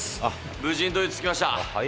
無事にドイツ着きました。